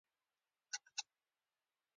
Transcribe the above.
مینه په نرمه لهجه وویل ته ولې سمه خبره نه کوې